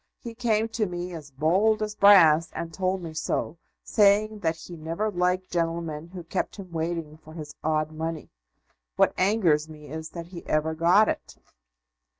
He came to me as bold as brass, and told me so, saying that he never liked gentlemen who kept him waiting for his odd money. What angers me is that he ever got it."